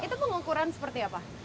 itu pengukuran seperti apa